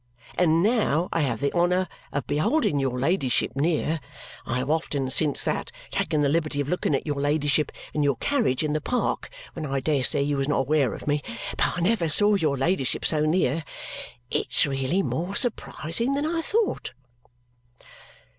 And now I have the honour of beholding your ladyship near (I have often, since that, taken the liberty of looking at your ladyship in your carriage in the park, when I dare say you was not aware of me, but I never saw your ladyship so near), it's really more surprising than I thought it."